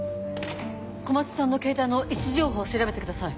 小松さんのケータイの位置情報を調べてください。